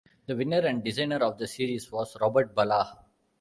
The winner and designer of the series was Robert Ballagh.